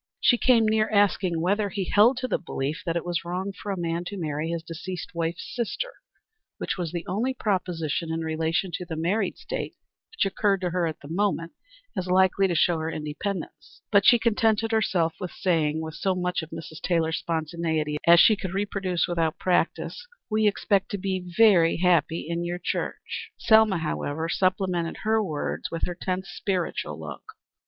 She came near asking whether he held to the belief that it was wrong for a man to marry his deceased wife's sister, which was the only proposition in relation to the married state which occurred to her at the moment as likely to show her independence, but she contented herself instead with saying, with so much of Mrs. Taylor's spontaneity as she could reproduce without practice, "We expect to be very happy in your church." Selma, however, supplemented her words with her tense spiritual look.